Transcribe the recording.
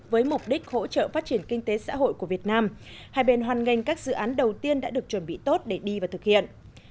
với mục đích hỗ trợ phát triển kinh tế xã hội của việt nam hai bên hoàn ngành các dự án đầu tiên đã được chuẩn bị tốt để đi và thực hiện